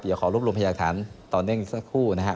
อย่าขอรบรวมพยาฐานต่อเนื่องสักครู่นะครับ